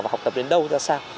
và học tập đến đâu ra sao